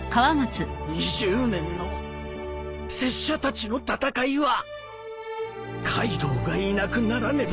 ２０年の拙者たちの戦いはカイドウがいなくならねば。